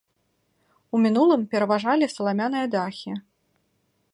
У мінулым пераважалі саламяныя дахі.